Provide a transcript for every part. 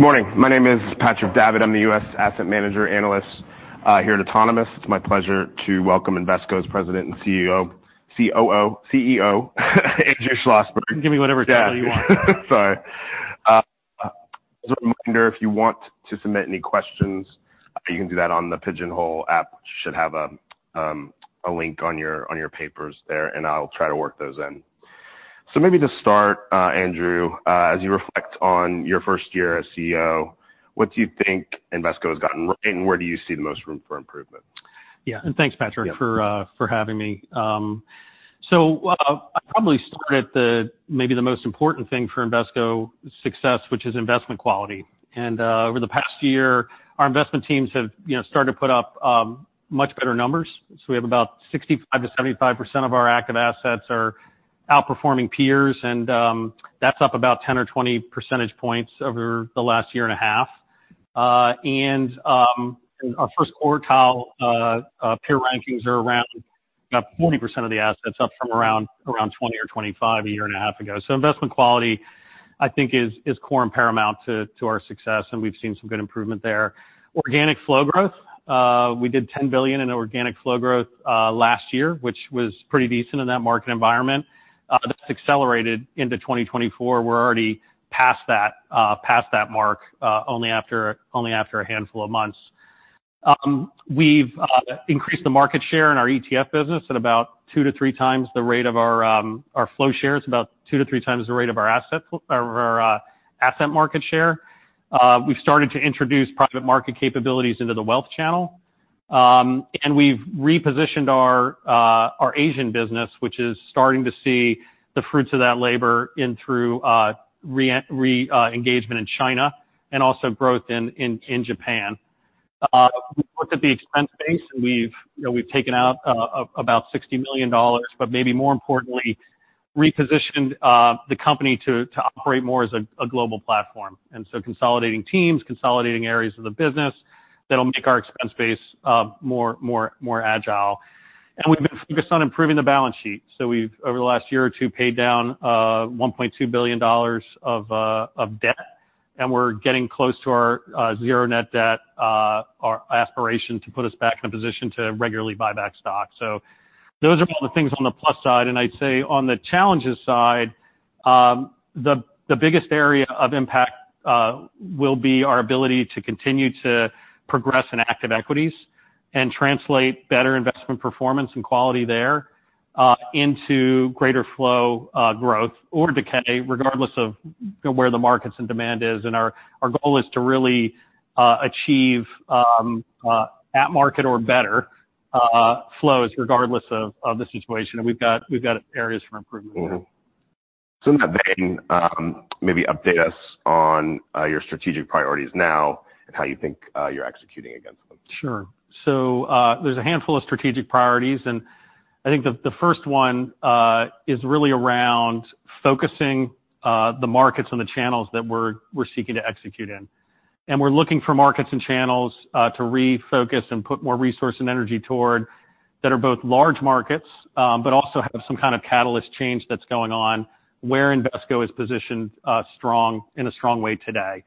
Good morning. My name is Patrick Davitt. I'm the US Asset Manager Analyst here at Autonomous. It's my pleasure to welcome Invesco's President and CEO, Andrew Schlossberg. Give me whatever title you want. Sorry. As a reminder, if you want to submit any questions, you can do that on the Pigeonhole app. Should have a link on your papers there, and I'll try to work those in. So maybe to start, Andrew, as you reflect on your first year as CEO, what do you think Invesco has gotten right, and where do you see the most room for improvement? Yeah, and thanks, Patrick, for having me. So I'd probably start at the, maybe the most important thing for Invesco success, which is investment quality. And over the past year, our investment teams have, you know, started to put up much better numbers. So we have about 65%-75% of our active assets are outperforming peers, and that's up about 10 or 20 percentage points over the last year and a half. And our first quartile peer rankings are around about 40% of the assets, up from around 20 or 25 a year and a half ago. So investment quality, I think, is core and paramount to our success, and we've seen some good improvement there. Organic flow growth, we did $10 billion in organic flow growth last year, which was pretty decent in that market environment. That's accelerated into 2024. We're already past that, past that mark, only after a handful of months. We've increased the market share in our ETF business at about 2-3 times the rate of our flow shares, about 2-3 times the rate of our asset market share. We've started to introduce private market capabilities into the wealth channel, and we've repositioned our Asian business, which is starting to see the fruits of that labor through reengagement in China and also growth in Japan. We've looked at the expense base, and we've, you know, we've taken out about $60 million, but maybe more importantly, repositioned the company to operate more as a global platform. And so consolidating teams, consolidating areas of the business, that'll make our expense base more agile. And we've been focused on improving the balance sheet. So we've, over the last year or two, paid down $1.2 billion of debt, and we're getting close to our zero net debt, our aspiration to put us back in a position to regularly buy back stock. So those are all the things on the plus side. I'd say on the challenges side, the biggest area of impact will be our ability to continue to progress in active equities and translate better investment performance and quality there into greater flow growth or decay, regardless of where the markets and demand is. Our goal is to really achieve at market or better flows, regardless of the situation. We've got areas for improvement. Mm-hmm. So in that vein, maybe update us on your strategic priorities now and how you think you're executing against them. Sure. So, there's a handful of strategic priorities, and I think the first one is really around focusing the markets and the channels that we're seeking to execute in. And we're looking for markets and channels to refocus and put more resource and energy toward that are both large markets, but also have some kind of catalyst change that's going on where Invesco is positioned in a strong way today.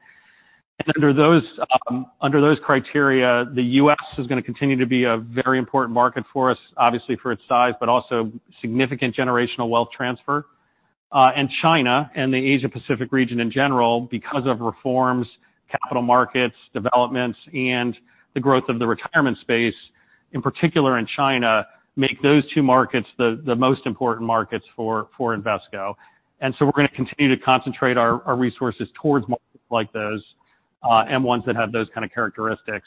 And under those criteria, the U.S. is gonna continue to be a very important market for us, obviously, for its size, but also significant generational wealth transfer. And China and the Asia Pacific region in general, because of reforms, capital markets, developments, and the growth of the retirement space, in particular in China, make those two markets the most important markets for Invesco. And so we're gonna continue to concentrate our resources towards markets like those, and ones that have those kind of characteristics.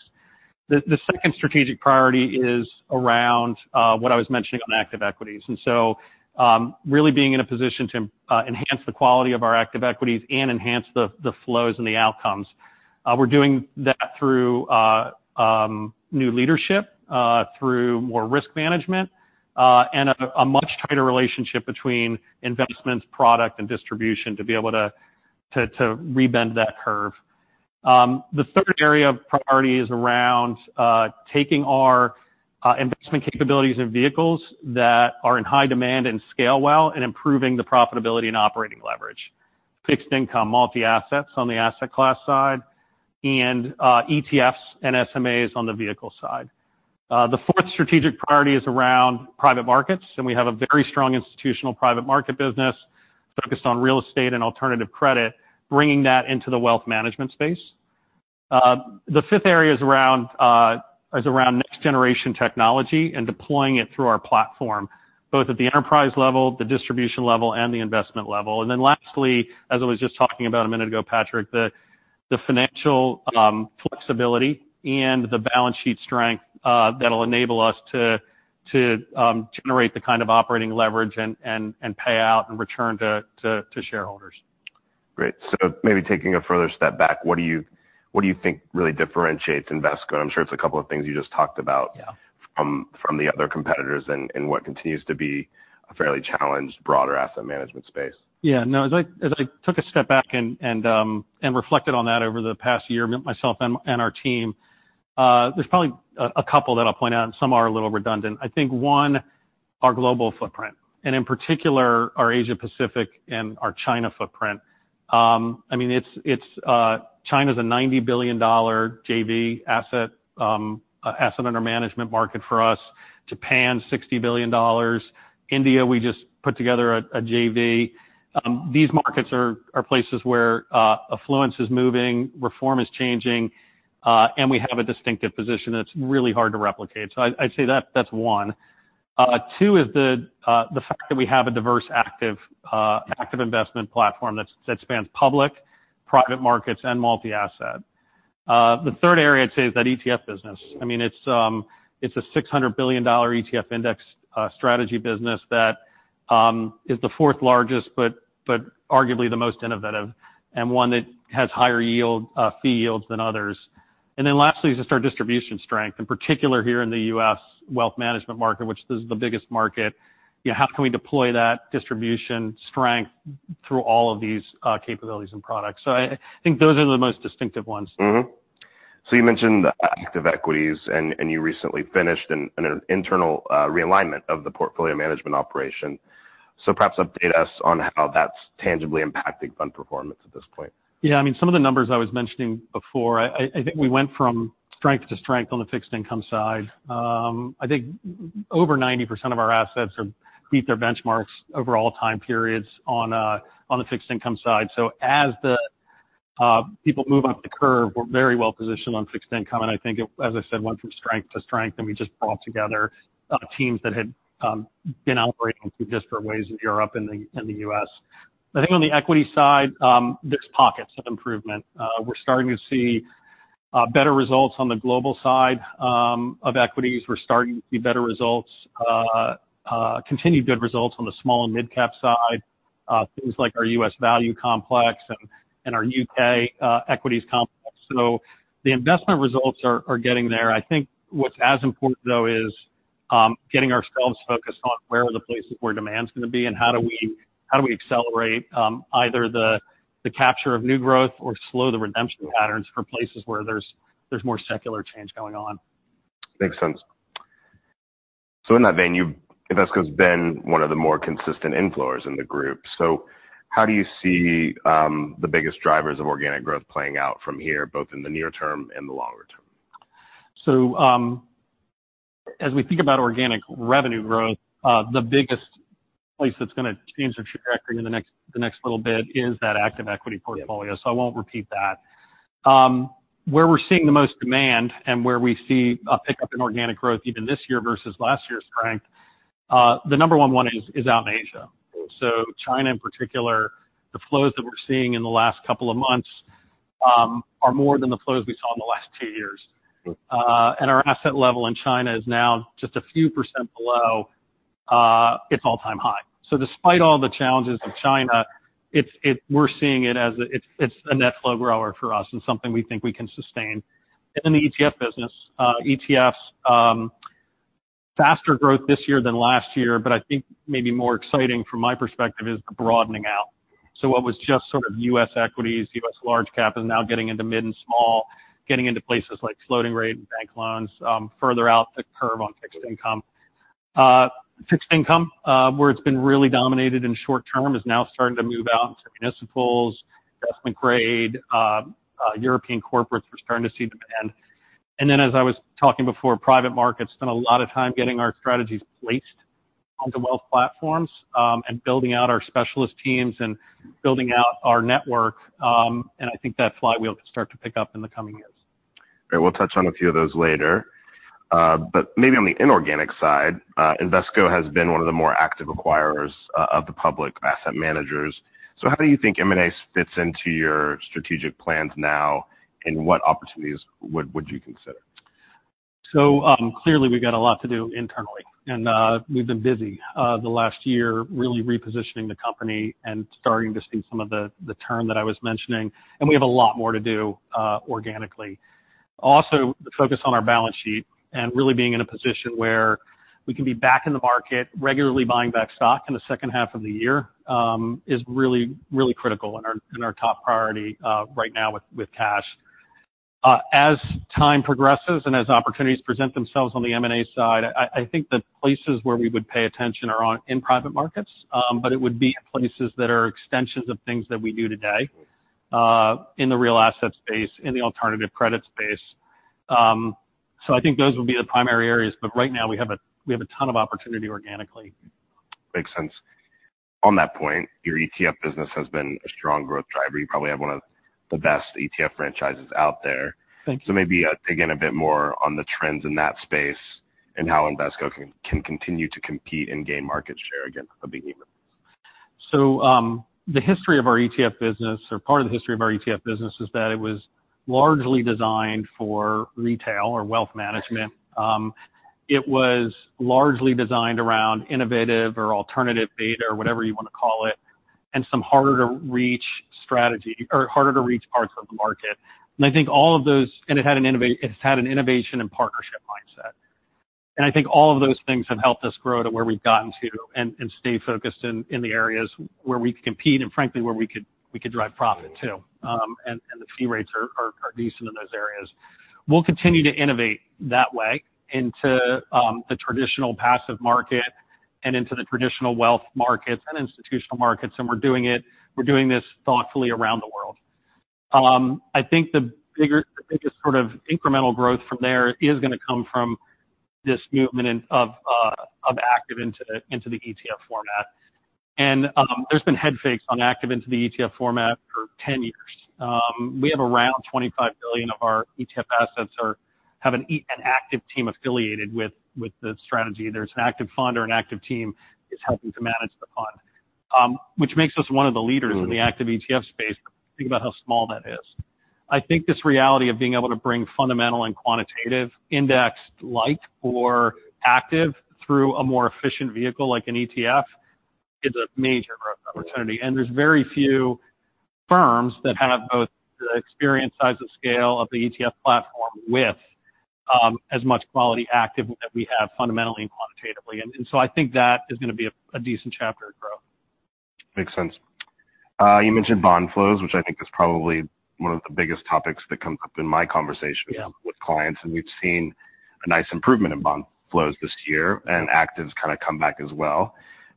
The second strategic priority is around what I was mentioning on active equities, and so really being in a position to enhance the quality of our active equities and enhance the flows and the outcomes. We're doing that through new leadership, through more risk management, and a much tighter relationship between investments, product, and distribution to be able to rebend that curve. The third area of priority is around taking our investment capabilities and vehicles that are in high demand and scale well, and improving the profitability and operating leverage. Fixed income, multi-assets on the asset class side, and ETFs and SMAs on the vehicle side. The fourth strategic priority is around private markets, and we have a very strong institutional private market business focused on real estate and alternative credit, bringing that into the wealth management space. The fifth area is around next-generation technology and deploying it through our platform, both at the enterprise level, the distribution level, and the investment level. And then lastly, as I was just talking about a minute ago, Patrick, the financial flexibility and the balance sheet strength, that'll enable us to generate the kind of operating leverage and pay out and return to shareholders. Great. So maybe taking a further step back, what do you, what do you think really differentiates Invesco? I'm sure it's a couple of things you just talked about- Yeah... from the other competitors and what continues to be a fairly challenged, broader asset management space. Yeah, no, as I took a step back and reflected on that over the past year, myself and our team, there's probably a couple that I'll point out, and some are a little redundant. I think one, our global footprint, and in particular, our Asia Pacific and our China footprint. I mean, it's China's a $90 billion JV asset under management market for us. Japan, $60 billion. India, we just put together a JV. These markets are places where affluence is moving, reform is changing, and we have a distinctive position that's really hard to replicate. So I'd say that's one. Two is the fact that we have a diverse, active investment platform that spans public, private markets, and multi-asset. The third area I'd say is that ETF business. I mean, it's, it's a $600 billion ETF index strategy business that is the fourth largest, but, but arguably the most innovative, and one that has higher yield, fee yields than others. And then lastly, is just our distribution strength, in particular here in the U.S. wealth management market, which is the biggest market. You know, how can we deploy that distribution strength through all of these, capabilities and products? So I, I think those are the most distinctive ones. Mm-hmm. So you mentioned the active equities, and you recently finished an internal realignment of the portfolio management operation. So perhaps update us on how that's tangibly impacting fund performance at this point. Yeah, I mean, some of the numbers I was mentioning before, I think we went from strength to strength on the fixed income side. I think over 90% of our assets beat their benchmarks over all time periods on the fixed income side. So as the people move up the curve, we're very well positioned on fixed income, and I think, as I said, went from strength to strength, and we just brought together teams that had been operating through disparate ways in Europe and the U.S. I think on the equity side, there's pockets of improvement. We're starting to see better results on the global side of equities. We're starting to see better results, continued good results on the small and midcap side, things like our U.S. value complex and our U.K. equities complex. So the investment results are getting there. I think what's as important, though, is getting ourselves focused on where are the places where demand's gonna be and how do we accelerate either the capture of new growth or slow the redemption patterns for places where there's more secular change going on. Makes sense. So in that vein, Invesco's been one of the more consistent inflows in the group. So how do you see, the biggest drivers of organic growth playing out from here, both in the near term and the longer term? So, as we think about organic revenue growth, the biggest place that's gonna change our trajectory in the next little bit is that active equity portfolio, so I won't repeat that. Where we're seeing the most demand and where we see a pickup in organic growth, even this year versus last year's strength, the number one is out in Asia. So China, in particular, the flows that we're seeing in the last couple of months are more than the flows we saw in the last two years. And our asset level in China is now just a few percent below its all-time high. So despite all the challenges in China, we're seeing it as a net flow grower for us and something we think we can sustain. In the ETF business, ETFs, faster growth this year than last year, but I think maybe more exciting from my perspective is the broadening out. So what was just sort of U.S. equities, U.S. large cap, is now getting into mid and small, getting into places like floating rate and bank loans, further out the curve on fixed income. Fixed income, where it's been really dominated in short term, is now starting to move out into municipals, investment grade, European corporates. We're starting to see demand. And then, as I was talking before, private markets, spent a lot of time getting our strategies placed onto wealth platforms, and building out our specialist teams and building out our network, and I think that flywheel can start to pick up in the coming years. Great, we'll touch on a few of those later. But maybe on the inorganic side, Invesco has been one of the more active acquirers of the public asset managers. So how do you think M&A fits into your strategic plans now, and what opportunities would you consider? So, clearly, we've got a lot to do internally, and we've been busy the last year, really repositioning the company and starting to see some of the turn that I was mentioning, and we have a lot more to do organically. Also, the focus on our balance sheet and really being in a position where we can be back in the market, regularly buying back stock in the second half of the year is really, really critical and our top priority right now with cash. As time progresses and as opportunities present themselves on the M&A side, I think the places where we would pay attention are in private markets, but it would be in places that are extensions of things that we do today in the real asset space, in the alternative credit space. I think those would be the primary areas, but right now, we have a ton of opportunity organically. Makes sense. On that point, your ETF business has been a strong growth driver. You probably have one of the best ETF franchises out there. Thank you. Maybe dig in a bit more on the trends in that space and how Invesco can continue to compete and gain market share against the behemoths. So, the history of our ETF business, or part of the history of our ETF business, is that it was largely designed for retail or wealth management. It was largely designed around innovative or alternative beta, or whatever you wanna call it, and some harder-to-reach strategy, or harder-to-reach parts of the market. It had an innovation and partnership mindset. I think all of those things have helped us grow to where we've gotten to and stay focused in the areas where we compete, and frankly, where we could drive profit, too. The fee rates are decent in those areas. We'll continue to innovate that way into the traditional passive market and into the traditional wealth markets and institutional markets, and we're doing this thoughtfully around the world. I think the biggest sort of incremental growth from there is gonna come from this movement of active into the ETF format. And, there's been head fakes on active into the ETF format for 10 years. We have around $25 billion of our ETF assets that have an active team affiliated with the strategy. There's an active fund or an active team helping to manage the fund, which makes us one of the leaders in the active ETF space. Think about how small that is. I think this reality of being able to bring fundamental and quantitative index-like or active through a more efficient vehicle like an ETF, is a major growth opportunity. And there's very few firms that have both the experience, size of scale of the ETF platform with, as much quality active that we have, fundamentally and quantitatively. And, and so I think that is gonna be a, a decent chapter of growth. Makes sense. You mentioned bond flows, which I think is probably one of the biggest topics that comes up in my conversation- Yeah with clients, and we've seen a nice improvement in bond flows this year, and active's kind of come back as well,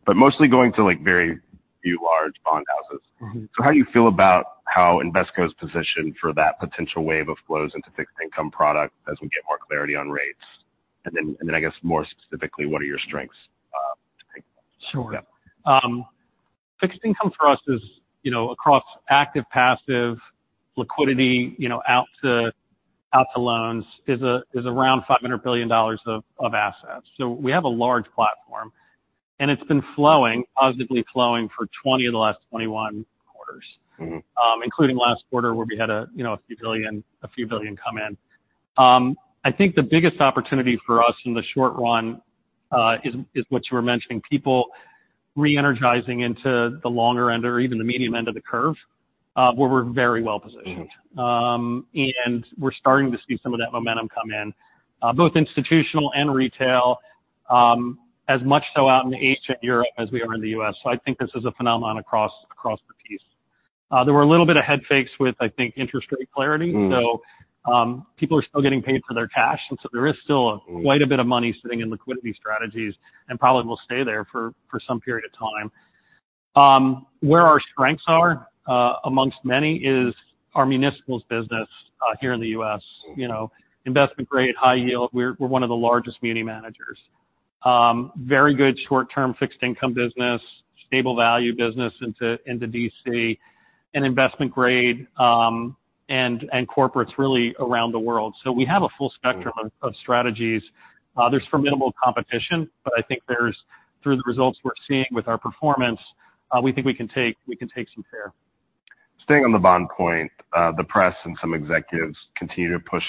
but mostly going to, like, very few large bond houses. Mm-hmm. So how do you feel about how Invesco's positioned for that potential wave of flows into fixed income product as we get more clarity on rates? And then, I guess, more specifically, what are your strengths to take? Sure. Fixed income for us is, you know, across active, passive liquidity, you know, out to, out to loans, is a, is around $500 billion of, of assets. So we have a large platform, and it's been flowing, positively flowing, for 20 of the last 21 quarters. Mm-hmm. Including last quarter, where we had, you know, a few billion come in. I think the biggest opportunity for us in the short run is what you were mentioning, people re-energizing into the longer end or even the medium end of the curve, where we're very well positioned. Mm-hmm. And we're starting to see some of that momentum come in, both institutional and retail, as much so out in Asia and Europe as we are in the US. So I think this is a phenomenon across the piece. There were a little bit of head fakes with, I think, interest rate clarity. Mm. So, people are still getting paid for their cash, and so there is still- Mm -quite a bit of money sitting in liquidity strategies and probably will stay there for some period of time. Where our strengths are, among many, is our municipals business, here in the U.S. You know, investment grade, high yield, we're one of the largest muni managers. Very good short-term fixed income business, stable value business into DC, and investment grade, and corporates really around the world. So we have a full spectrum- Mm of strategies. There's formidable competition, but I think there's, through the results we're seeing with our performance, we think we can take, we can take some share. Staying on the bond point, the press and some executives continue to push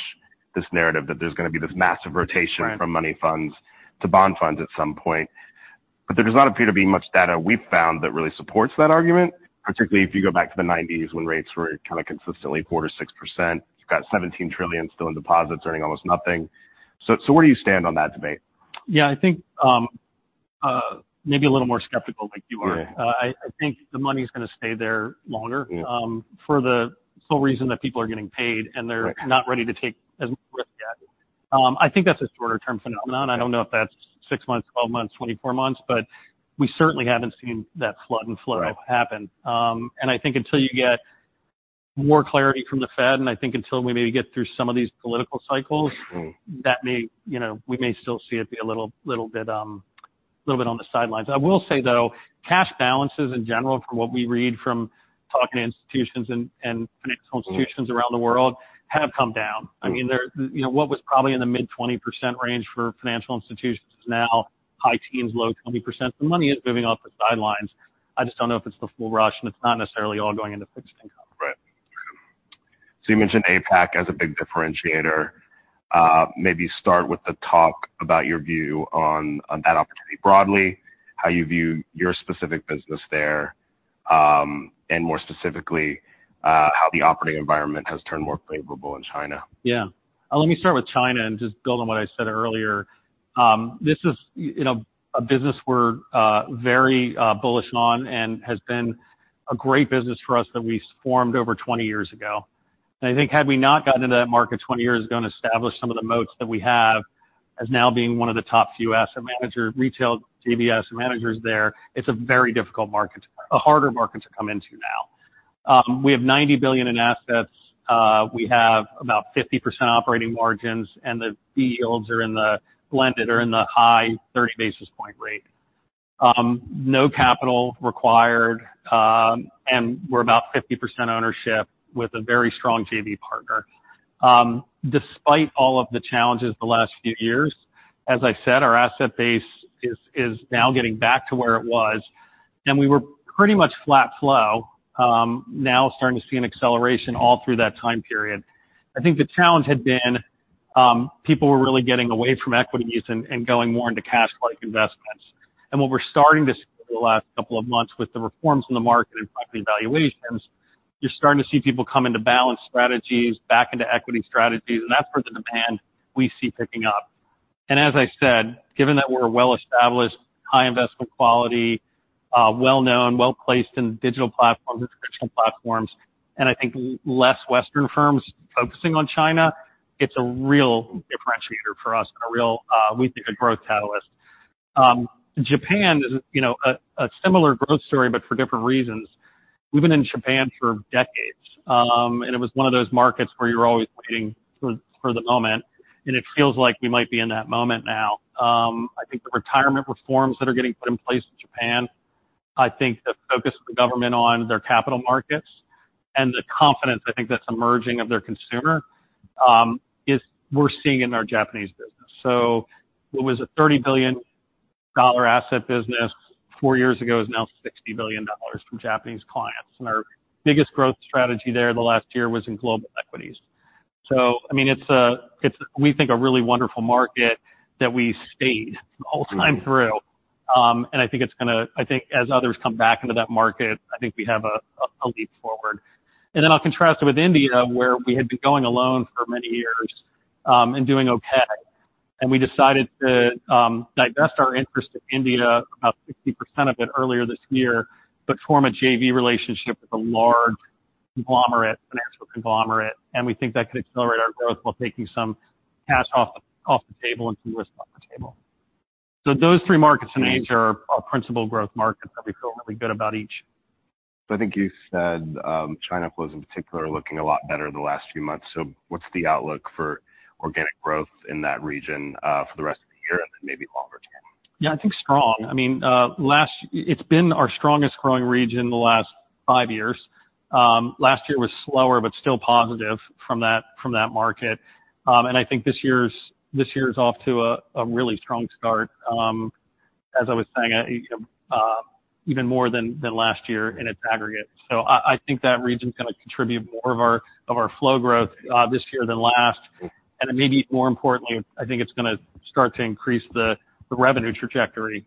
this narrative that there's gonna be this massive rotation- Right -from money funds to bond funds at some point. But there does not appear to be much data we've found that really supports that argument, particularly if you go back to the nineties, when rates were kind of consistently 4%-6%. You've got $17 trillion still in deposits, earning almost nothing. So, so where do you stand on that debate? Yeah, I think, maybe a little more skeptical like you are. Yeah. I think the money's gonna stay there longer- Mm for the sole reason that people are getting paid, and they're- Right not ready to take as much risk yet. I think that's a shorter term phenomenon. Yeah. I don't know if that's six months, 12 months, 24 months, but we certainly haven't seen that flood and flow- Right -happen. And I think until you get more clarity from the Fed, and I think until we maybe get through some of these political cycles- Mm -that may, you know, we may still see it be a little, little bit on the sidelines. I will say, though, cash balances, in general, from what we read from talking to institutions and financial institutions- Mm Around the world, have come down. Mm. I mean, they're, you know, what was probably in the mid-20% range for financial institutions is now high teens, low 20%. The money is moving off the sidelines. I just don't know if it's the full rush, and it's not necessarily all going into fixed income. Right. So you mentioned APAC as a big differentiator. Maybe start with the talk about your view on that opportunity broadly, how you view your specific business there, and more specifically, how the operating environment has turned more favorable in China. Yeah. Let me start with China and just build on what I said earlier. This is, you know, a business we're very bullish on and has been a great business for us that we formed over 20 years ago. And I think had we not gotten into that market 20 years ago and established some of the moats that we have, as now being one of the top U.S. asset manager, retail JV's managers there, it's a very difficult market, a harder market to come into now. We have $90 billion in assets. We have about 50% operating margins, and the fee yields are in the blended, are in the high 30 basis point rate. No capital required, and we're about 50% ownership with a very strong JV partner. Despite all of the challenges the last few years, as I said, our asset base is now getting back to where it was, and we were pretty much flat flow, now starting to see an acceleration all through that time period. I think the challenge had been, people were really getting away from equities and going more into cash-like investments. And what we're starting to see over the last couple of months, with the reforms in the market and property valuations, you're starting to see people come into balance strategies, back into equity strategies, and that's where the demand we see picking up. And as I said, given that we're a well-established, high investment quality, well-known, well-placed in digital platforms and traditional platforms, and I think less Western firms focusing on China, it's a real differentiator for us and a real, we think, a growth catalyst. Japan is, you know, a similar growth story, but for different reasons. We've been in Japan for decades, and it was one of those markets where you're always waiting for the moment, and it feels like we might be in that moment now. I think the retirement reforms that are getting put in place in Japan, I think the focus of the government on their capital markets, and the confidence I think that's emerging of their consumer, is we're seeing in our Japanese business. So it was a $30 billion asset business four years ago, is now $60 billion from Japanese clients. And our biggest growth strategy there in the last year was in global equities. So I mean, it's a really wonderful market that we think we stayed the whole time through. And I think it's gonna—I think as others come back into that market, I think we have a leap forward. And then I'll contrast it with India, where we had been going alone for many years, and doing okay. And we decided to divest our interest in India, about 60% of it earlier this year, but form a JV relationship with a large conglomerate, financial conglomerate, and we think that could accelerate our growth while taking some cash off the table and some risk off the table. Those three markets in Asia are our principal growth markets, that we feel really good about each. I think you said, China flows, in particular, are looking a lot better in the last few months. So what's the outlook for organic growth in that region, for the rest of the year and then maybe longer term? Yeah, I think strong. I mean, last it's been our strongest growing region in the last five years. Last year was slower, but still positive from that, from that market. And I think this year's, this year is off to a, a really strong start. As I was saying, even more than, than last year in its aggregate. So I, I think that region is gonna contribute more of our, of our flow growth, this year than last. And maybe more importantly, I think it's gonna start to increase the, the revenue trajectory,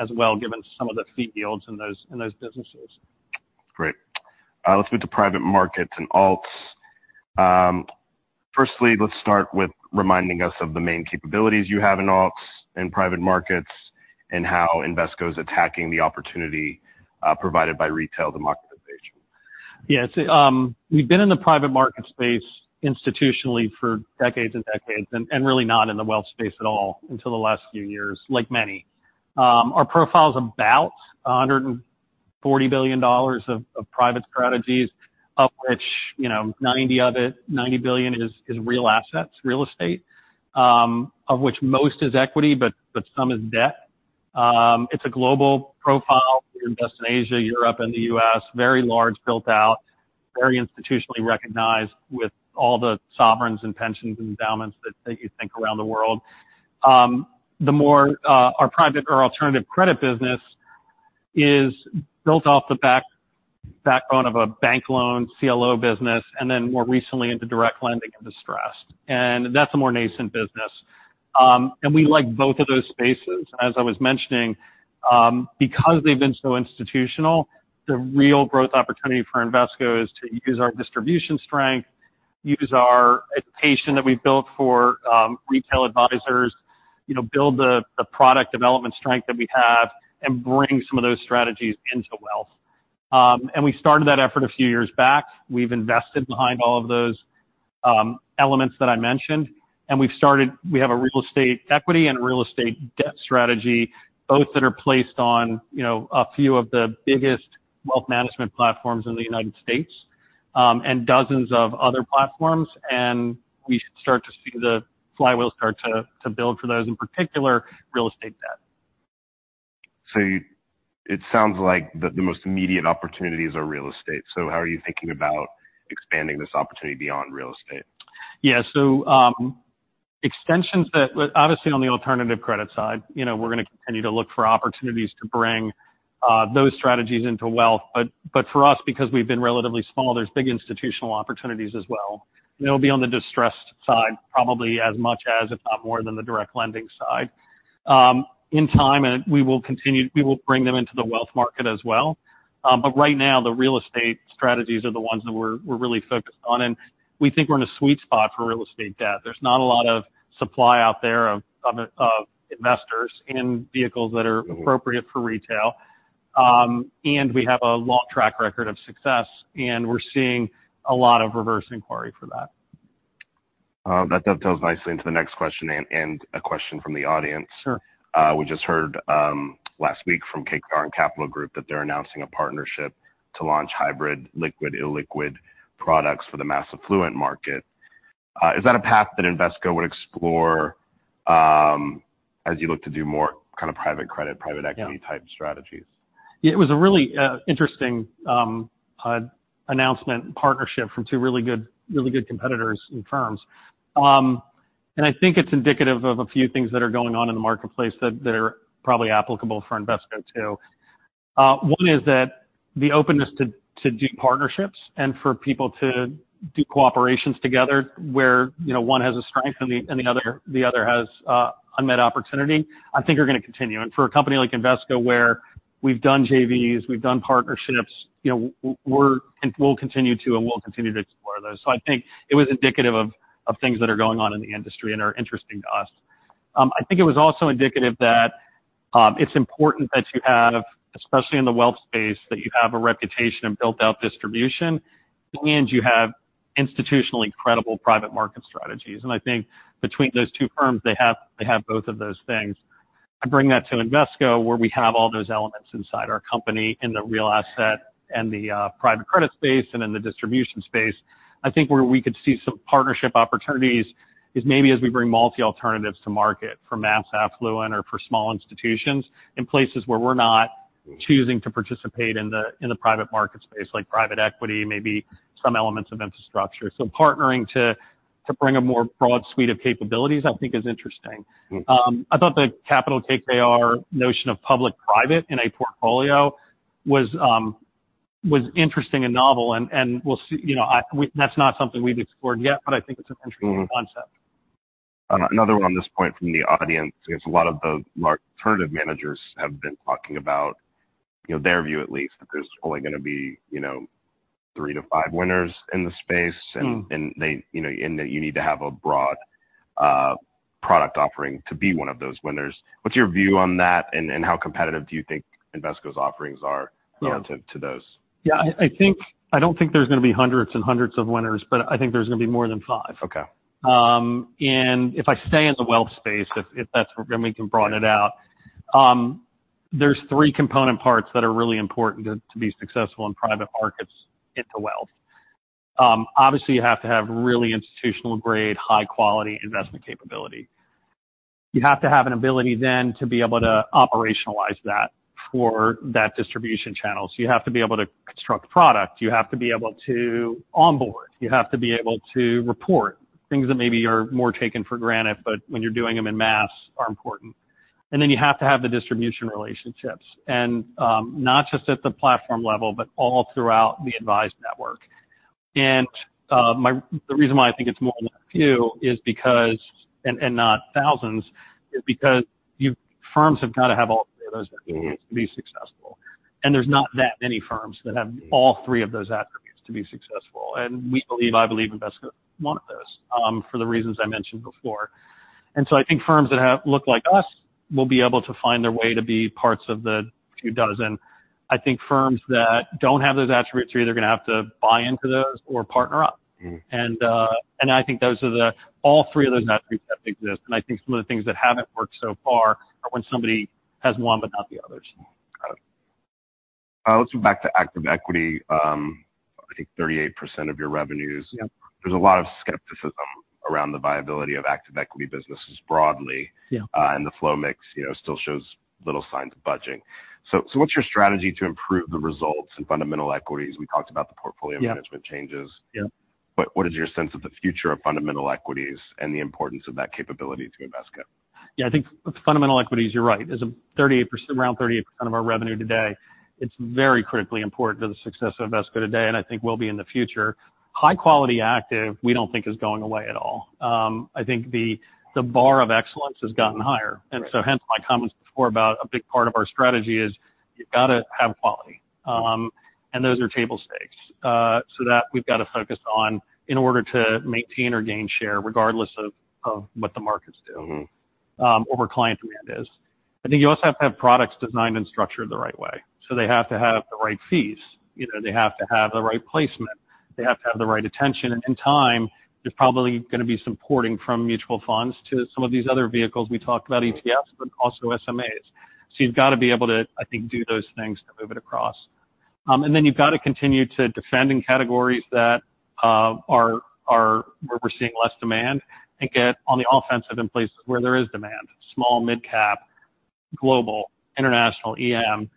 as well, given some of the fee yields in those, in those businesses. Great. Let's move to private markets and alts. Firstly, let's start with reminding us of the main capabilities you have in alts and private markets, and how Invesco is attacking the opportunity provided by retail democratization. Yes, we've been in the private market space institutionally for decades and decades, and really not in the wealth space at all until the last few years, like many. Our profile is about $140 billion of private strategies, of which, you know, 90 of it, $90 billion is real assets, real estate, of which most is equity, but some is debt. It's a global profile. We invest in Asia, Europe, and the U.S. Very large, built out, very institutionally recognized, with all the sovereigns and pensions and endowments that you think around the world. Our private or alternative credit business is built off the backbone of a bank loan, CLO business, and then more recently, into direct lending and distressed. And that's a more nascent business. We like both of those spaces. As I was mentioning, because they've been so institutional, the real growth opportunity for Invesco is to use our distribution strength, use our platform that we've built for retail advisors, you know, build the product development strength that we have, and bring some of those strategies into wealth. We started that effort a few years back. We've invested behind all of those elements that I mentioned, and we've started, we have a real estate equity and a real estate debt strategy, both that are placed on, you know, a few of the biggest wealth management platforms in the United States, and dozens of other platforms, and we should start to see the flywheel start to build for those, in particular, real estate debt. So it sounds like the most immediate opportunities are real estate. So how are you thinking about expanding this opportunity beyond real estate? Yeah. So, extensions that, obviously, on the alternative credit side, you know, we're gonna continue to look for opportunities to bring those strategies into wealth. But for us, because we've been relatively small, there's big institutional opportunities as well. They'll be on the distressed side, probably as much as, if not more than the direct lending side. In time, and we will bring them into the wealth market as well. But right now, the real estate strategies are the ones that we're really focused on, and we think we're in a sweet spot for real estate debt. There's not a lot of supply out there of investors in vehicles that are appropriate for retail. And we have a long track record of success, and we're seeing a lot of reverse inquiry for that. That dovetails nicely into the next question and a question from the audience. Sure. We just heard last week from KKR and Capital Group that they're announcing a partnership to launch hybrid liquid, illiquid products for the mass affluent market. Is that a path that Invesco would explore, as you look to do more kind of private credit, private equity- Yeah -type strategies? Yeah, it was a really interesting announcement and partnership from two really good competitors and firms. And I think it's indicative of a few things that are going on in the marketplace that are probably applicable for Invesco, too. One is that the openness to do partnerships and for people to do cooperations together, where, you know, one has a strength and the other has unmet opportunity, I think are gonna continue. And for a company like Invesco, we've done JVs, we've done partnerships. You know, and we'll continue to explore those. So I think it was indicative of things that are going on in the industry and are interesting to us. I think it was also indicative that, it's important that you have, especially in the wealth space, that you have a reputation and built out distribution, and you have institutionally credible private market strategies. I think between those two firms, they have, they have both of those things. I bring that to Invesco, where we have all those elements inside our company, in the real asset and the private credit space, and in the distribution space. I think where we could see some partnership opportunities is maybe as we bring multi-alternatives to market for mass affluent or for small institutions, in places where we're not choosing to participate in the, in the private market space, like private equity, maybe some elements of infrastructure. Partnering to, to bring a more broad suite of capabilities, I think is interesting. I thought the Capital Group KKR notion of public-private in a portfolio was interesting and novel, and we'll see, you know, that's not something we've explored yet, but I think it's an interesting concept. Mm-hmm. Another one on this point from the audience: a lot of the alternative managers have been talking about, you know, their view at least, that there's only gonna be, you know, 3-5 winners in the space- Mm. And they, you know, and that you need to have a broad product offering to be one of those winners. What's your view on that, and how competitive do you think Invesco's offerings are, you know, to those? Yeah, I think, I don't think there's gonna be hundreds and hundreds of winners, but I think there's gonna be more than five. Okay. And if I stay in the wealth space, if that's, and we can broaden it out, there's three component parts that are really important to be successful in private markets into wealth. Obviously, you have to have really institutional-grade, high quality investment capability. You have to have an ability then to be able to operationalize that for that distribution channel. So you have to be able to construct product, you have to be able to onboard, you have to be able to report things that maybe are more taken for granted, but when you're doing them en masse, are important. And then you have to have the distribution relationships, and, not just at the platform level, but all throughout the advised network. And, my, the reason why I think it's more than a few is because, and not thousands, is because firms have got to have all three of those attributes- Mm-hmm... to be successful, and there's not that many firms that have all three of those attributes to be successful. We believe, I believe Invesco is one of those, for the reasons I mentioned before. So I think firms that have, look like us, will be able to find their way to be parts of the few dozen. I think firms that don't have those attributes are either gonna have to buy into those or partner up. Mm. And I think those are all three of those attributes have to exist, and I think some of the things that haven't worked so far are when somebody has one, but not the others. Got it. Let's go back to active equity. I think 38% of your revenues. Yep. There's a lot of skepticism around the viability of active equity businesses broadly. Yeah. And the flow mix, you know, still shows little signs of budging. So what's your strategy to improve the results in fundamental equities? We talked about the portfolio- Yeah -management changes. Yeah. But what is your sense of the future of fundamental equities and the importance of that capability to Invesco? Yeah, I think fundamental equities, you're right, is a 38%—around 38% of our revenue today. It's very critically important to the success of Invesco today, and I think will be in the future. High quality active, we don't think is going away at all. I think the bar of excellence has gotten higher. Right. Hence my comments before about a big part of our strategy is, you've got to have quality. Those are table stakes. So we've got to focus on in order to maintain or gain share, regardless of, of what the markets do- Mm-hmm ... or where client demand is. I think you also have to have products designed and structured the right way. So they have to have the right fees, you know, they have to have the right placement, they have to have the right attention. And time is probably gonna be supporting from mutual funds to some of these other vehicles. We talked about ETFs, but also SMAs. So you've got to be able to, I think, do those things to move it across. And then you've got to continue to defend in categories that are where we're seeing less demand, and get on the offensive in places where there is demand: small, midcap, global, international, EM.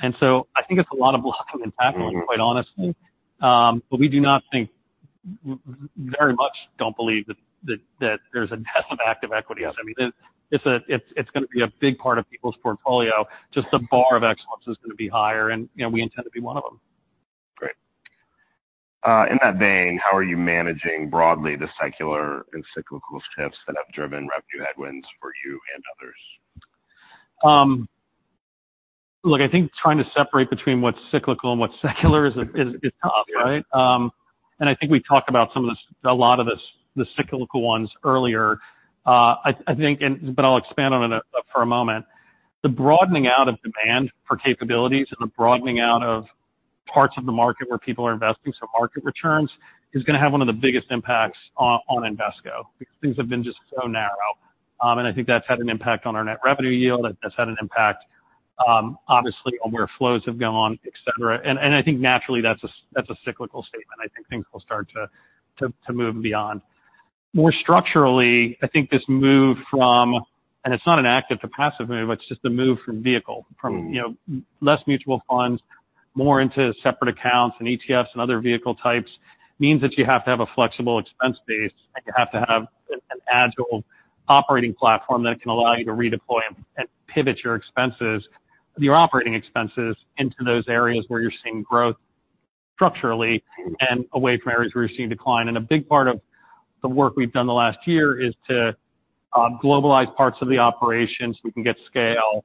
And so I think it's a lot of blocking and tackling- Mm-hmm... quite honestly. But we do not think very much don't believe that there's a death of active equities. I mean, it's gonna be a big part of people's portfolio. Just the bar of excellence is gonna be higher, and, you know, we intend to be one of them. Great. In that vein, how are you managing broadly the secular and cyclical shifts that have driven revenue headwinds for you and others? Look, I think trying to separate between what's cyclical and what's secular is tough, right? Yeah. I think we've talked about some of the cyclical ones earlier. But I'll expand on it for a moment. The broadening out of demand for capabilities and the broadening out of parts of the market where people are investing, so market returns, is gonna have one of the biggest impacts on Invesco, because things have been just so narrow. I think that's had an impact on our net revenue yield. It's had an impact, obviously, on where flows have gone, et cetera. I think naturally, that's a cyclical statement. I think things will start to move beyond. More structurally, I think this move from... It's not an active to passive move, it's just a move from vehicle. Mm. From, you know, less mutual funds, more into separate accounts and ETFs and other vehicle types, means that you have to have a flexible expense base, and you have to have an agile operating platform that can allow you to redeploy and pivot your expenses, your operating expenses, into those areas where you're seeing growth structurally and away from areas where we're seeing decline. And a big part of the work we've done the last year is to globalize parts of the operation so we can get scale,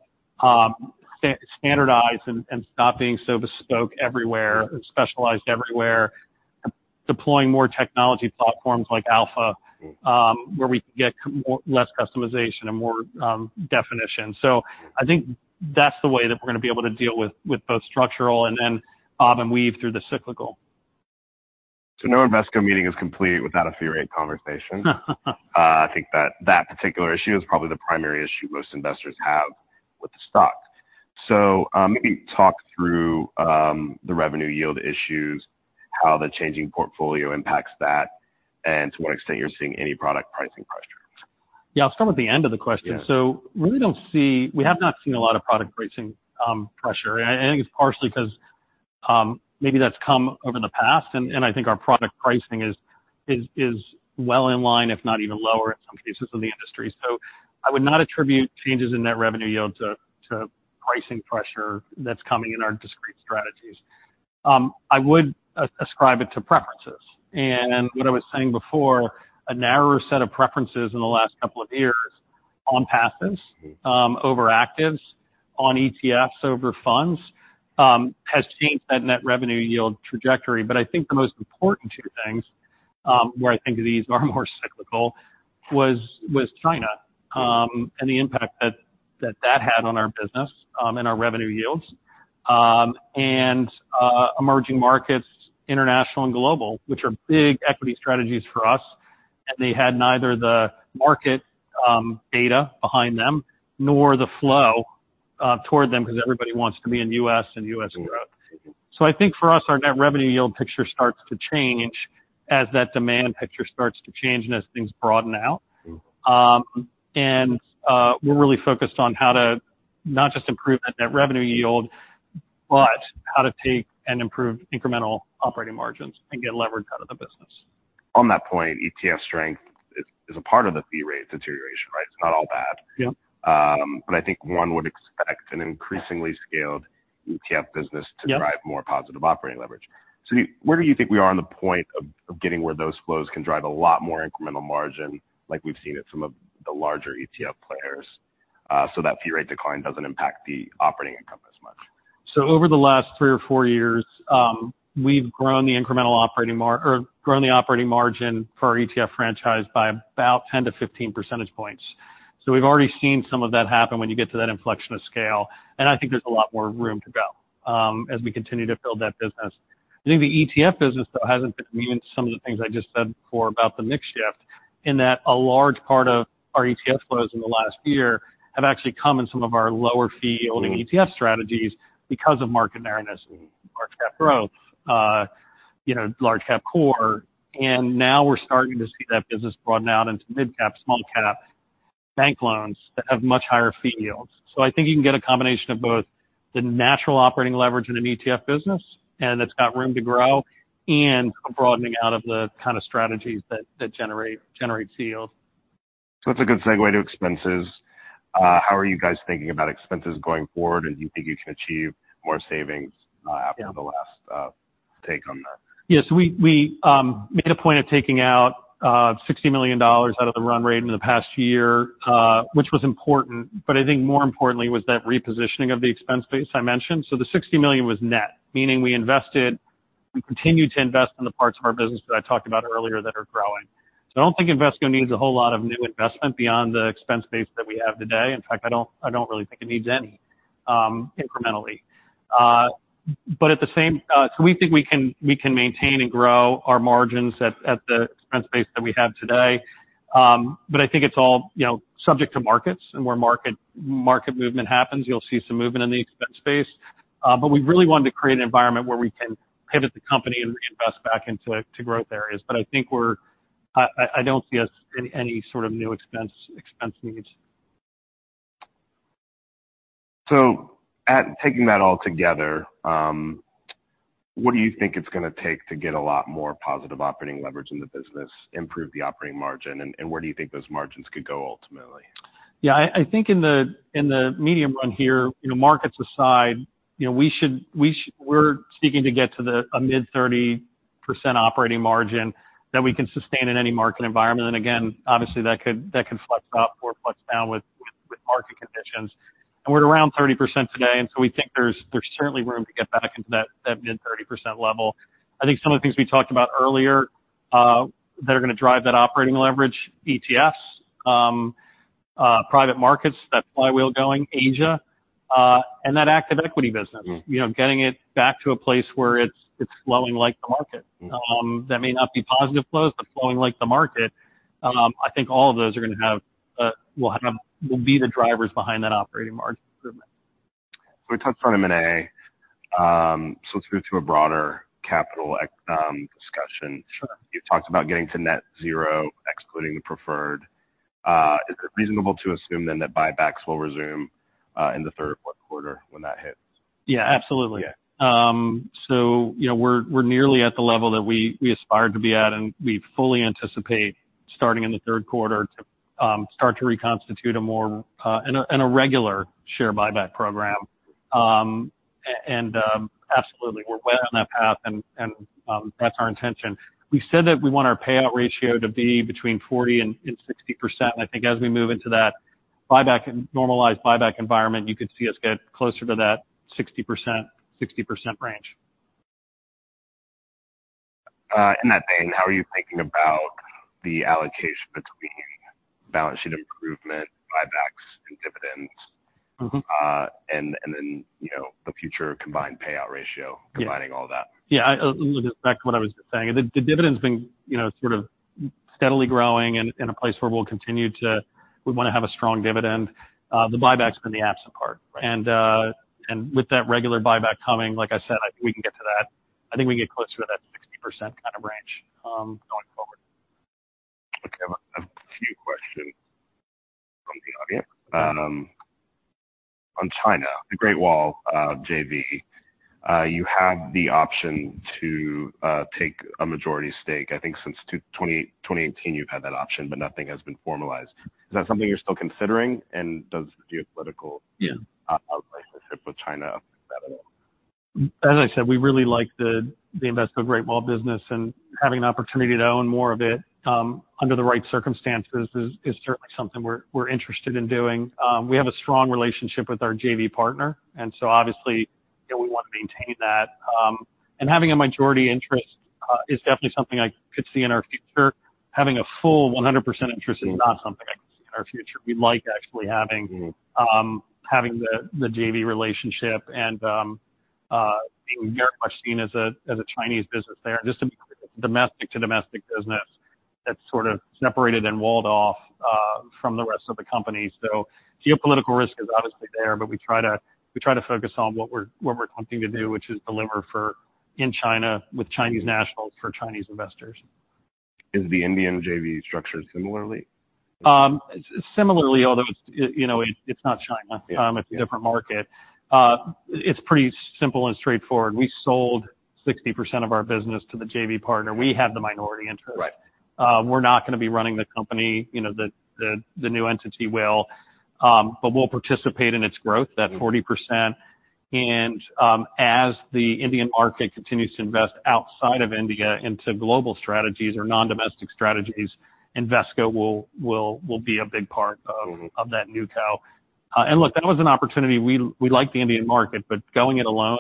standardize and stop being so bespoke everywhere and specialized everywhere, deploying more technology platforms like Alpha, where we can get less customization and more definition. So I think that's the way that we're gonna be able to deal with both structural and then weave through the cyclical. So no Invesco meeting is complete without a fee rate conversation. I think that that particular issue is probably the primary issue most investors have with the stock. So, maybe talk through the revenue yield issues, how the changing portfolio impacts that, and to what extent you're seeing any product pricing pressures. Yeah, I'll start with the end of the question. Yeah. So we don't see, we have not seen a lot of product pricing pressure, and I think it's partially 'cause maybe that's come over the past, and I think our product pricing is, is well in line, if not even lower in some cases, in the industry. So I would not attribute changes in net revenue yield to pricing pressure that's coming in our discrete strategies. I would ascribe it to preferences. And what I was saying before, a narrower set of preferences in the last couple of years on passives over actives, on ETFs over funds, has changed that net revenue yield trajectory. But I think the most important two things, where I think these are more cyclical, was China, and the impact that had on our business, and our revenue yields. Emerging markets, international and global, which are big equity strategies for us, and they had neither the market data behind them nor the flow toward them, 'cause everybody wants to be in the U.S. and U.S. growth. So I think for us, our net revenue yield picture starts to change as that demand picture starts to change and as things broaden out. We're really focused on how to not just improve that net revenue yield, but how to take and improve incremental operating margins and get leverage out of the business. On that point, ETF strength is a part of the fee rate deterioration, right? It's not all bad. Yeah. But I think one would expect an increasingly scaled ETF business- Yeah -to drive more positive operating leverage. So where do you think we are on the point of getting where those flows can drive a lot more incremental margin, like we've seen at some of the larger ETF players, so that fee rate decline doesn't impact the operating income as much? So over the last three or four years, we've grown the operating margin for our ETF franchise by about 10-15 percentage points. So we've already seen some of that happen when you get to that inflection of scale, and I think there's a lot more room to go, as we continue to build that business. I think the ETF business, though, hasn't been immune to some of the things I just said before about the mix shift, in that a large part of our ETF flows in the last year have actually come in some of our lower fee-yielding ETF strategies because of market narrowness and large cap growth, you know, large cap core. And now we're starting to see that business broaden out into mid cap, small cap bank loans that have much higher fee yields. I think you can get a combination of both the natural operating leverage in an ETF business, and it's got room to grow, and a broadening out of the kind of strategies that generate fee yield. So that's a good segue to expenses. How are you guys thinking about expenses going forward, and do you think you can achieve more savings, after the last take on that? Yes, we made a point of taking out $60 million out of the run rate in the past year, which was important, but I think more importantly was that repositioning of the expense base I mentioned. So the $60 million was net, meaning we invested, we continued to invest in the parts of our business that I talked about earlier that are growing. So I don't think Invesco needs a whole lot of new investment beyond the expense base that we have today. In fact, I don't really think it needs any incrementally. But at the same... So we think we can maintain and grow our margins at the expense base that we have today. But I think it's all, you know, subject to markets, and where market movement happens, you'll see some movement in the expense base. But we really wanted to create an environment where we can pivot the company and reinvest back into to growth areas. But I think we're, I don't see us any sort of new expense needs. So, taking that all together, what do you think it's gonna take to get a lot more positive operating leverage in the business, improve the operating margin, and where do you think those margins could go ultimately? Yeah, I think in the medium run here, you know, markets aside, you know, we're seeking to get to a mid-30% operating margin that we can sustain in any market environment. And again, obviously, that could flex up or flex down with market conditions. And we're around 30% today, and so we think there's certainly room to get back into that mid-30% level. I think some of the things we talked about earlier, that are gonna drive that operating leverage, ETFs, private markets, that flywheel going, Asia, and that active equity business. Mm. You know, getting it back to a place where it's, it's flowing like the market. Mm. That may not be positive flows, but flowing like the market. I think all of those will be the drivers behind that operating margin improvement. We touched on M&A. So let's move to a broader CapEx discussion. Sure. You talked about getting to net zero, excluding the preferred. Is it reasonable to assume then, that buybacks will resume, in the third quarter when that hits? Yeah, absolutely. Yeah. So you know, we're nearly at the level that we aspire to be at, and we fully anticipate starting in the third quarter to start to reconstitute a more regular share buyback program. And absolutely, we're well on that path, and that's our intention. We've said that we want our payout ratio to be between 40% and 60%. I think as we move into that buyback and normalized buyback environment, you could see us get closer to that 60%, 60% range. In that vein, how are you thinking about the allocation between balance sheet improvement, buybacks, and dividends? Mm-hmm. and then, you know, the future combined payout ratio- Yeah. combining all that. Yeah, I back to what I was just saying, the dividend's been, you know, sort of steadily growing and in a place where we'll continue to-- we wanna have a strong dividend. The buyback's been the absent part. Right. And, and with that regular buyback coming, like I said, I think we can get to that. I think we can get closer to that 60% kind of range, going forward. Okay. I have a few questions from the audience. Mm-hmm. On China, the Great Wall JV, you have the option to take a majority stake. I think since 2018, you've had that option, but nothing has been formalized. Is that something you're still considering? And does the geopolitical- Yeah relationship with China affect at all? As I said, we really like the Invesco Great Wall business, and having an opportunity to own more of it under the right circumstances is certainly something we're interested in doing. We have a strong relationship with our JV partner, and so obviously, you know, we wanna maintain that. And having a majority interest is definitely something I could see in our future. Having a full 100% interest is not something I could see in our future. We like actually having- Mm-hmm... having the, the JV relationship and, being very much seen as a, as a Chinese business there. Just to be clear, it's a domestic to domestic business that's sort of separated and walled off, from the rest of the company. So geopolitical risk is obviously there, but we try to, we try to focus on what we're, what we're attempting to do, which is deliver for, in China, with Chinese nationals, for Chinese investors. Is the Indian JV structured similarly? Similarly, although it's, you know, it's not China. Yeah. It's a different market. It's pretty simple and straightforward. We sold 60% of our business to the JV partner. We have the minority interest. Right. We're not gonna be running the company, you know, the new entity will, but we'll participate in its growth, that 40%. And as the Indian market continues to invest outside of India into global strategies or non-domestic strategies, Invesco will be a big part of- Mm-hmm... of that new co. And look, that was an opportunity. We like the Indian market, but going it alone,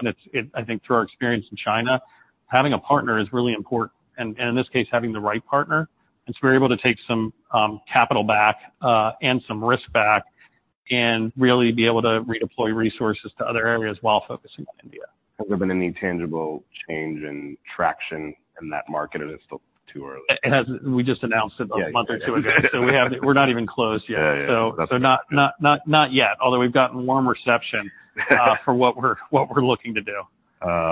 I think through our experience in China, having a partner is really important, and in this case, having the right partner. And so we're able to take some capital back, and some risk back and really be able to redeploy resources to other areas while focusing on India. Has there been any tangible change in traction in that market, or it's still too early? We just announced it. Yeah, yeah. A month or two ago, so we have, we're not even closed yet. Yeah, yeah. So not yet, although we've gotten warm reception for what we're looking to do.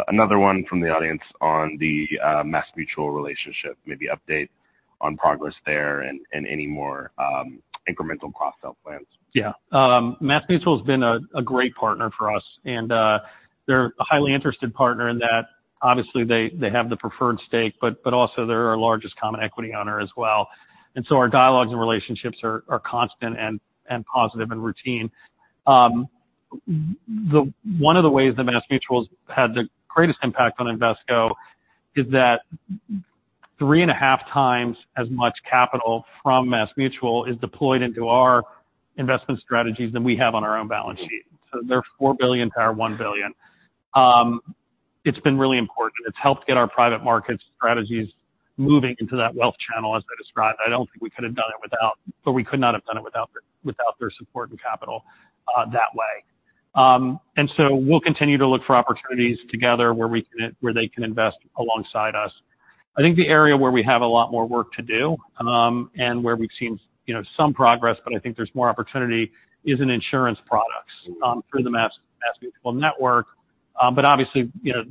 Another one from the audience on the MassMutual relationship. Maybe update on progress there and any more incremental cross-sell plans. Yeah. MassMutual's been a, a great partner for us, and, they're a highly interested partner in that. Obviously, they, they have the preferred stake, but, but also they're our largest common equity owner as well. And so our dialogues and relationships are, are constant and, and positive and routine. One of the ways that MassMutual's had the greatest impact on Invesco is that three and a half times as much capital from MassMutual is deployed into our investment strategies than we have on our own balance sheet. Mm-hmm. So their $4 billion to our $1 billion. It's been really important. It's helped get our private markets strategies moving into that wealth channel, as I described. I don't think we could have done it without their support and capital, that way. And so we'll continue to look for opportunities together where we can, where they can invest alongside us. I think the area where we have a lot more work to do, and where we've seen, you know, some progress, but I think there's more opportunity, is in insurance products. Mm-hmm... through the MassMutual network. But obviously, you know,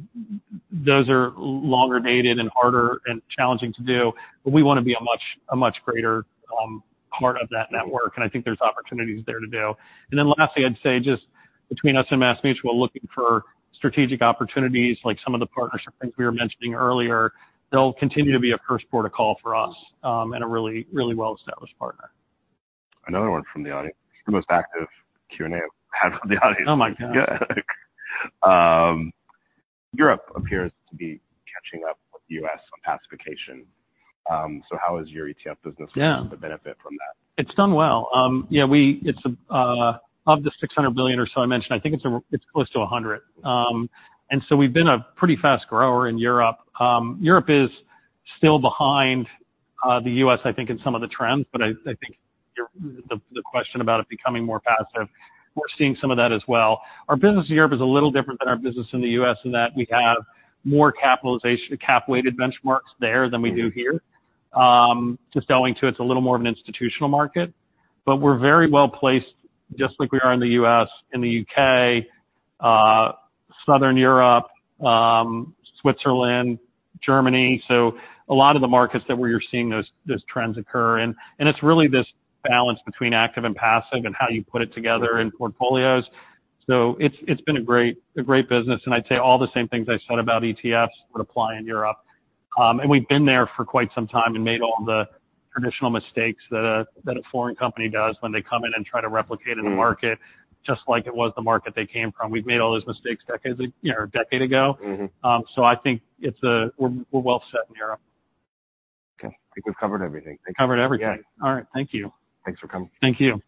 those are longer dated and harder and challenging to do. But we wanna be a much greater part of that network, and I think there's opportunities there to do. And then lastly, I'd say just between us and MassMutual, looking for strategic opportunities, like some of the partnership things we were mentioning earlier, they'll continue to be a first port of call for us, and a really, really well-established partner. Another one from the audience. The most active Q&A I've had with the audience. Oh, my God! Europe appears to be catching up with the U.S. on passivization. So, how is your ETF business- Yeah to benefit from that? It's done well. Yeah, it's of the $600 billion or so I mentioned, I think it's close to $100. And so we've been a pretty fast grower in Europe. Europe is still behind the U.S., I think, in some of the trends, but I think your... the question about it becoming more passive, we're seeing some of that as well. Our business in Europe is a little different than our business in the U.S., in that we have more cap-weighted benchmarks there than we do here. Mm-hmm. Just owing to, it's a little more of an institutional market. But we're very well placed, just like we are in the U.S., in the U.K., Southern Europe, Switzerland, Germany, so a lot of the markets that we're seeing those trends occur in. And it's really this balance between active and passive and how you put it together in portfolios. So it's been a great business, and I'd say all the same things I said about ETFs would apply in Europe. And we've been there for quite some time and made all the traditional mistakes that a foreign company does when they come in and try to replicate in the market- Mm-hmm Just like it was the market they came from. We've made all those mistakes decades ago, you know, a decade ago. Mm-hmm. So I think we're well set in Europe. Okay, I think we've covered everything. Thank you. Covered everything. Yeah. All right. Thank you. Thanks for coming. Thank you.